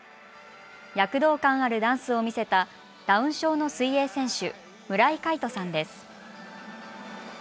躍動感あるダンスを見せたダウン症の水泳選手、村井海人さんです。